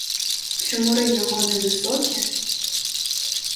Чи мури його не високі?